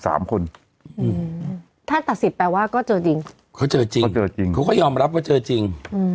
สามคนอืมถ้าตัดสิทธิ์แปลว่าก็เจอจริงเขาเจอจริงเขาก็ยอมรับว่าเจอจริง